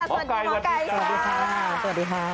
สวัสดีหมอไก่ค่ะสวัสดีค่ะสวัสดีค่ะสวัสดีค่ะ